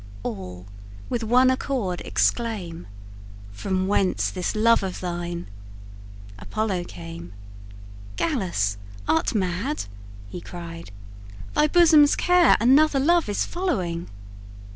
All with one accord exclaim: "From whence this love of thine?" Apollo came; "Gallus, art mad?" he cried, "thy bosom's care Another love is following."